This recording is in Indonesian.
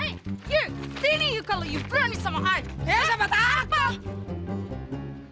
sini kalau kamu berani sama aku